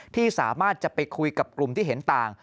ที่สามารถจะไปคุยกับกลุ่มที่เห็นต่าง